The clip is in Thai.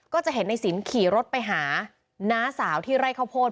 จะเห็นในสินขี่รถไปหาน้าสาวที่ไร่ข้าวโพด